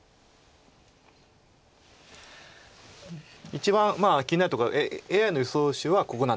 一番気になるところはＡＩの予想手はここなんですよね。